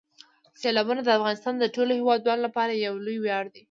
سیلابونه د افغانستان د ټولو هیوادوالو لپاره یو لوی ویاړ دی.